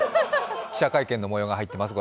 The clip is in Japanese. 記者会見のもようが入っています。